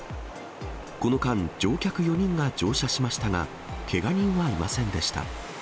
この間、乗客４人が乗車しましたが、けが人はいませんでした。